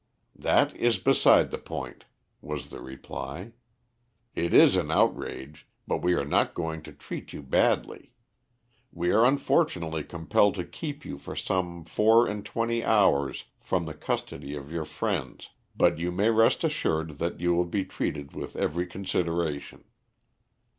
"That is beside the point," was the reply. "It is an outrage, but we are not going to treat you badly. We are unfortunately compelled to keep you for some four and twenty hours from the custody of your friends, but you may rest assured that you will be treated with every consideration."